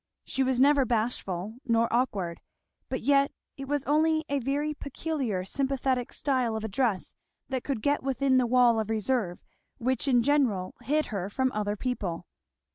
She was never bashful, nor awkward; but yet it was only a very peculiar, sympathetic, style of address that could get within the wall of reserve which in general hid her from other people.